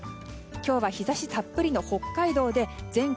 今日は日差したっぷりの北海道で全国